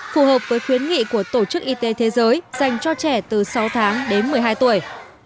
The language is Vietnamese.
phù hợp với khuyến nghị của tổ chức y tế thế giới dành cho trẻ từ sáu tháng đến một mươi hai tuổi